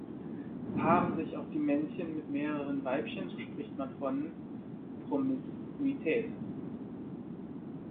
Paaren sich auch die Männchen mit mehreren Weibchen, so spricht man von Promiskuität.